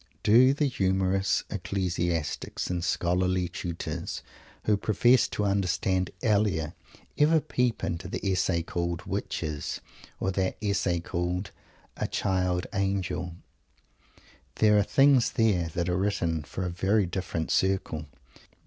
Do the humorous ecclesiastics and scholarly tutors who profess to understand Elia ever peep into that Essay called "Witches," or that other Essay called "A Child Angel"? There are things here that are written for a very different circle.